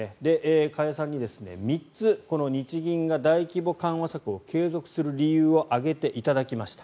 加谷さんに３つ日銀が大規模緩和策を継続する理由を挙げていただきました。